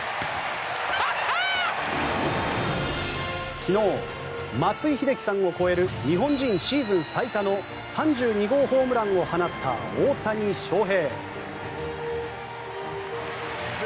昨日松井秀喜さんを超える日本人シーズン最多の３２号ホームランを放った大谷翔平。